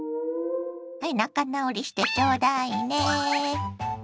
はい仲直りしてちょうだいね。